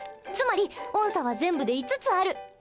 つまり音叉は全部で５つある。